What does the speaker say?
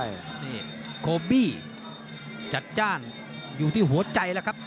นี่โคบี้จัดจ้านอยู่ที่หัวใจแล้วครับ